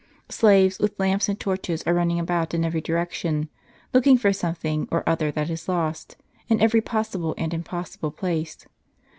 Slaves, with lamps and torches, are running about in every direction, looking for something or other that is lost, in every possible and impossible place.